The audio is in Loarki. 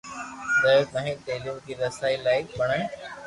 ضرورت ناهي. تعليم کي رسائي لائق بڻائڻ